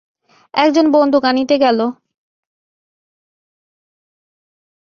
একজন বন্দুক আনিতে গেল।